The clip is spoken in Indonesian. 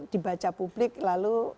dibaca publik lalu